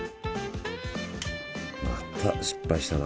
また失敗したな。